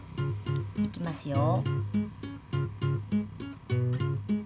いきますよ。